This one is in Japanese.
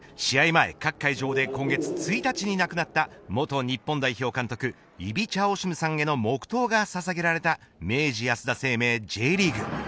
前、各会場で今月１日に亡くなった元日本代表監督イビチャ・オシムさんへの黙とうがささげられた明治安田生命Ｊリーグ。